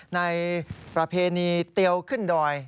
ในประเพณีเตียวขึ้นดอย